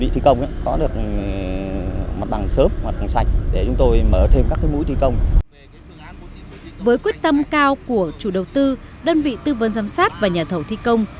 với quyết tâm cao của chủ đầu tư đơn vị tư vấn giám sát và nhà thầu thi công